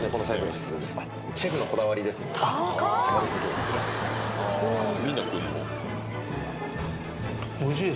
シェフのこだわりですので。